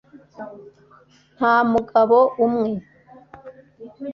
nta mugabo umwe